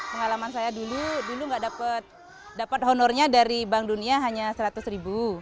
pengalaman saya dulu dulu nggak dapat honornya dari bank dunia hanya seratus ribu